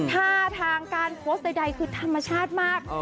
ท่าทางการโพสต์ใดคือธรรมชาติมาก